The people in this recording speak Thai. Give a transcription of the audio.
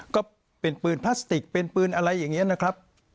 ก็เป็นปืนพลาสติกเป็นปืนอะไรอย่างนี้นะครับ